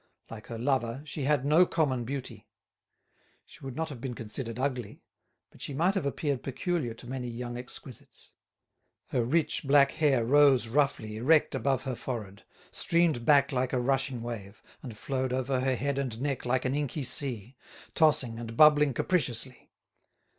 Like her lover, she had no common beauty. She would not have been considered ugly, but she might have appeared peculiar to many young exquisites. Her rich black hair rose roughly erect above her forehead, streamed back like a rushing wave, and flowed over her head and neck like an inky sea, tossing and bubbling capriciously.